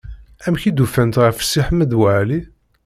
Amek i d-ufant ɣef Si Ḥmed Waɛli?